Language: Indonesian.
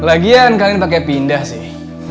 lagian kalian pakai pindah sih